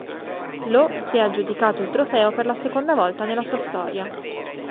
Lo si è aggiudicato il trofeo per la seconda volta nella sua storia.